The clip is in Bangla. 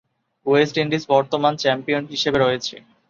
ওয়েস্ট ইন্ডিজ বর্তমান চ্যাম্পিয়ন হিসেবে রয়েছে।